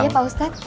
iya pak ustadz